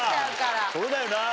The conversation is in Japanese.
そうだよな。